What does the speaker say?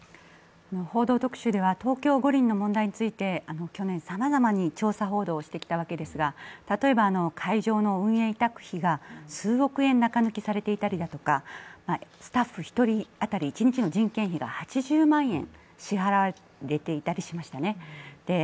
「報道特集」では東京五輪の問題について去年、さまざまに調査報道してきたわけですけれども、例えば会場の運営委託費が数億円中抜きされていたりだとかスタッフ一人当たり一日の人件費が８０万円支払われていたりしましたね。